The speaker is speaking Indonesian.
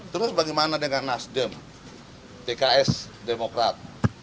terus bagaimana dengan nasdem pks demokrat